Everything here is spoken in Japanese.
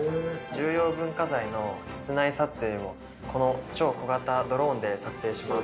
重要文化財の室内撮影をこの超小型ドローンで撮影します。